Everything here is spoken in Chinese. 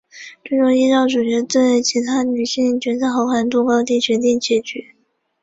最终依照主角对其他女性角色的好感度高低决定结局。